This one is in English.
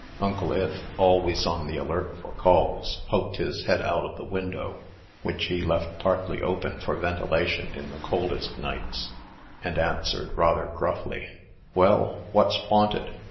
Uncle Ith, always on the alert for calls, poked his head out of the window, which he left partly open for ventilation in the coldest nights, and answered, rather gruffly, "Well, what's wanted?"